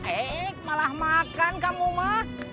eh malah makan kamu ma